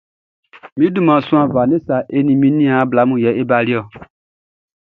Mi duman yɛlɛ Vanessa hɛ, mi ni mi niaan bla mun yɛ e baliɔ.